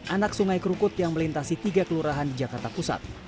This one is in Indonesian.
anak sungai kerukut yang melintasi tiga kelurahan di jakarta pusat